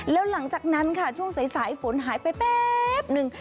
แล้วหลังจากนั้นค่ะช่วงสายฝนหายไปแป๊บนึง